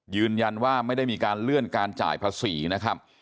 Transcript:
ยืนยันว่าไม่ได้มีการเลื่อนการจ่ายภาษีนะครับ